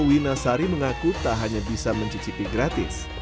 wina sari mengaku tak hanya bisa mencicipi gratis